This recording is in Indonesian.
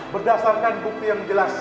berdasarkan bukti yang jelas